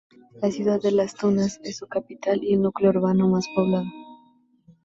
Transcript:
La ciudad de Las Tunas es su capital y el núcleo urbano más poblado.